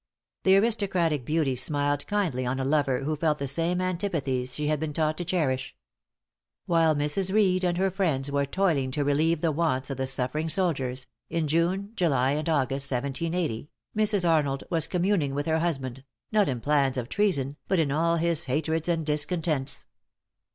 The aristocratic beauty smiled kindly on a lover who felt the same antipathies she had been taught to cherish. While Mrs. Reed and her friends were toiling to relieve the wants of the suffering soldiers in June, July and August, 1780, Mrs. Arnold was communing with her husband, not in plans of treason, but in all his hatreds and discontents.